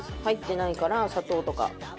入ってないから砂糖とか。